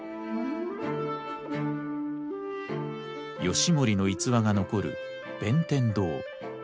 義盛の逸話が残る弁天堂。